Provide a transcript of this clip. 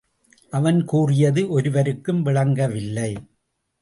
அவன் கூறியது ஒருவருக்கும் விளங்கவில்லை.